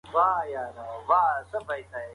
تلویزیون باید پروګرامونه جوړ کړي.